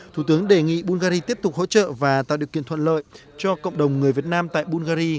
thủ tướng đề nghị bungary tiếp tục hỗ trợ và tạo điều kiện thuận lợi cho cộng đồng người việt nam tại bungary